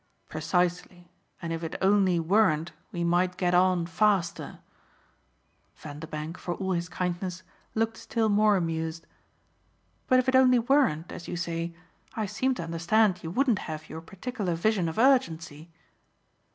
"Precisely; and if it only weren't we might get on faster." Vanderbank, for all his kindness, looked still more amused. "But if it only weren't, as you say, I seem to understand you wouldn't have your particular vision of urgency."